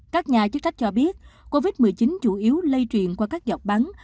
các nhà chức trách cho biết covid một mươi chín chủ yếu lây truyền qua các dọc bắn